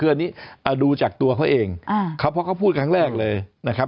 คืออันนี้ดูจากตัวเขาเองครับเพราะเขาพูดครั้งแรกเลยนะครับ